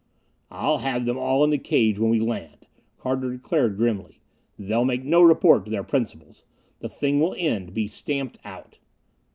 "I'll have them all in the cage when we land," Carter declared grimly. "They'll make no report to their principals. The thing will end, be stamped out!"